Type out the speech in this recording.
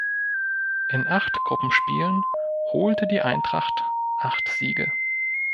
In acht Gruppenspielen holte die Eintracht acht Siege.